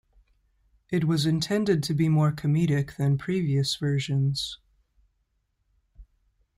It was intended to be more comedic than previous versions.